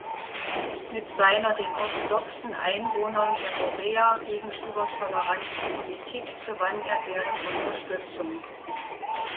Mit seiner den orthodoxen Einwohnern der Morea gegenüber toleranten Politik gewann er deren Unterstützung.